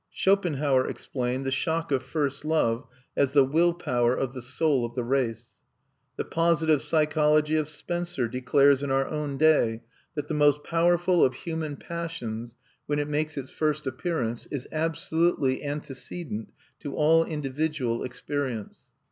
Schopenhauer explained, the shock of first love as the Willpower of the Soul of the Race. The positive psychology of Spencer declares in our own day that the most powerful of human passions, when it makes its first appearance, is absolutely antecedent to all individual experience.